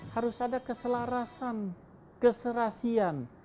harus ada keselarasan keserasian